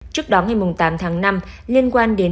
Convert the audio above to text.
trước đó ngày tám tháng năm liên quan đến